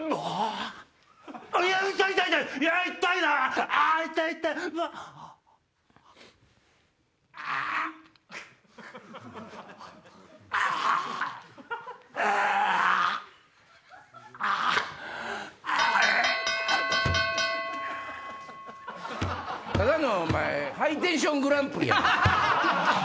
ただのハイテンショングランプリやん。